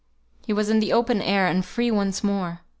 He was in the open air, and free once more!